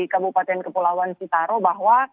kabupaten kepulauan citaro bahwa